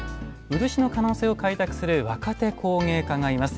漆の可能性を開拓する若手工芸家がいます。